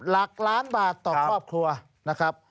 หลักล้านบาทต่อครอบครัวนะครับ